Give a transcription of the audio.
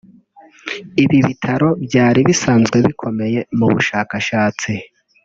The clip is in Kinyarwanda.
Ibi bitaro byari bisanzwe bikomeye mu bushakashatsi